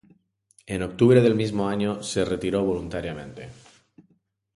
En octubre del mismo año se retiró voluntariamente.